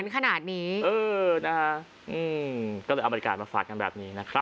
ก็เลยเอาบริการมาฝาดกันแบบนี้